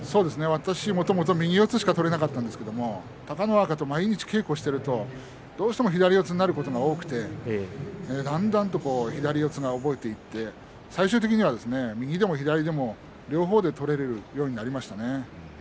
私もともと右四つしか取れなかったんですけど隆乃若と毎日稽古をしているとどうしても左四つになることが多くてだんだんと左四つを覚えていって最終的には、右でも左でも両方で取れるようになりましたね。